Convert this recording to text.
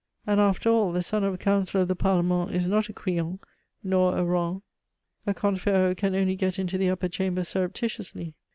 And, after all, the son of a Councillor of the Parlement is not a Crillon nor a Rohan. A Comte Ferraud can only get into the Upper Chamber surreptitiously.